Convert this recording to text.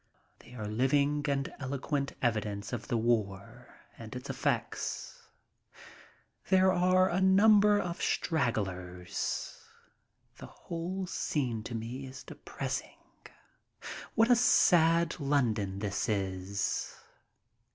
They are living and eloquent evidence of the war and its effects. There are a number of stragglers. The whole scene to me is depressing. What a sad London this is!